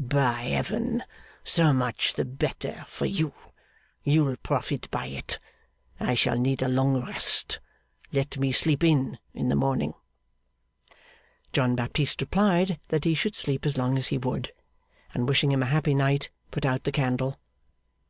By Heaven! So much the better for you. You'll profit by it. I shall need a long rest. Let me sleep in the morning.' John Baptist replied that he should sleep as long as he would, and wishing him a happy night, put out the candle.